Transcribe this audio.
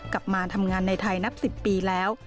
กลับมาทำงานในไทยนับ๑๐ปีแล้ว